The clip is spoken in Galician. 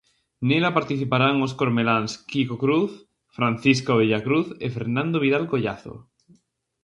Nela participarán os cormeláns Quico Cruz, Francisco Abella Cruz e Fernando Vidal Collazo.